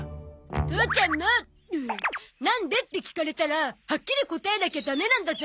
父ちゃんも「なんで」って聞かれたらはっきり答えなきゃダメなんだゾ。